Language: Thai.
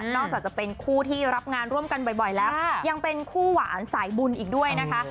จากจะเป็นคู่ที่รับงานร่วมกันบ่อยแล้วยังเป็นคู่หวานสายบุญอีกด้วยนะคะ